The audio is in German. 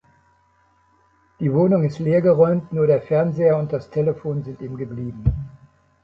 Die Wohnung ist leergeräumt, nur der Fernseher und das Telefon sind ihm geblieben.